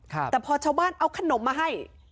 แต่พอชาวบ้านเอาขนมมาให้